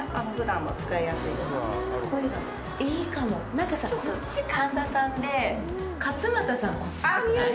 何かさ、こっち神田さんで、勝俣さん、こっちっぽくない？